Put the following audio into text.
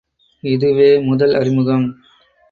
இதுவே முதல் அறிமுகம்.